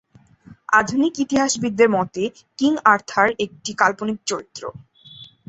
আধুনিক ইতিহাসবিদদের মতে king Arthur একটি কাল্পনিক চরিত্র।